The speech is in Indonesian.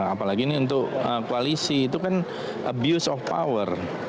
apalagi ini untuk koalisi itu kan abuse of power